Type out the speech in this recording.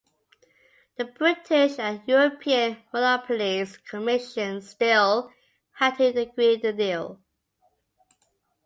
The British and European monopolies commissions still had to agree the deal.